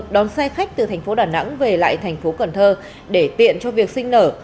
đón xe khách từ thành phố đà nẵng về lại thành phố cần thơ để tiện cho việc sinh nở